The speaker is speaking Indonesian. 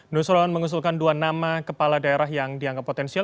nusron mengusulkan dua nama kepala daerah yang dianggap potensial